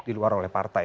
di luar oleh partai